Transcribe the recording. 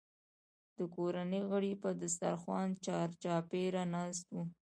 د کورنۍ غړي به د دسترخوان چارچاپېره ناست وو.